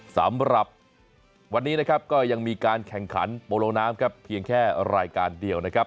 สำหรับวันนี้นะครับก็ยังมีการแข่งขันโปโลน้ำครับเพียงแค่รายการเดียวนะครับ